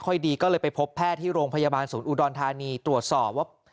ดีก็เลยไปพบแพทย์ที่โรงพยาบาลศูนย์อุดรธานีตรวจสอบว่า